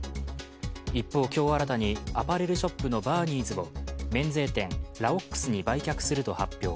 一方、今日新たにアパレルショップのバーニーズを免税店ラオックスに売却すると発表。